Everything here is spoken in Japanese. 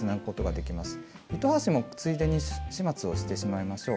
糸端もついでに始末をしてしまいましょう。